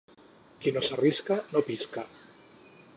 Qui no s'arrisca, no pisca.